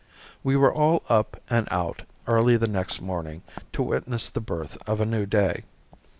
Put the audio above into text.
We were all up and out early the next morning to witness the birth of a new day.